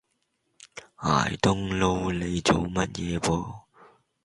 挨冬撈你做乜嘢啵